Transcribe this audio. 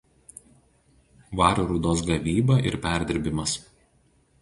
Vario rūdos gavyba ir perdirbimas.